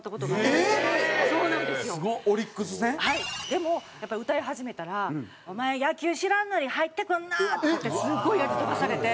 でもやっぱり歌い始めたら「お前野球知らんのに入ってくんな！」って言ってすごいやじ飛ばされて。